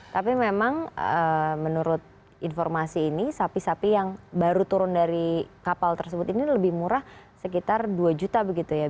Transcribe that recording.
tapi memang menurut informasi ini sapi sapi yang baru turun dari kapal tersebut ini lebih murah sekitar dua juta begitu ya